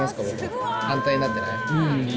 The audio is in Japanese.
僕の反対になってない？